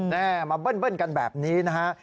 มาเบิ้ลกันแบบนี้นะฮะ